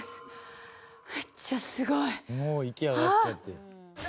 「もう息上がっちゃって」